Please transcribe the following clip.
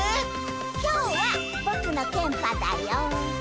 きょうは僕のケンパだよ。